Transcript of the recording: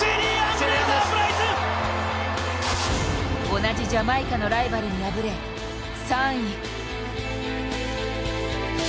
同じジャマイカのライバルに敗れ３位。